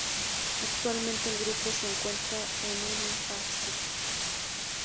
Actualmente el grupo se encuentra en un impasse.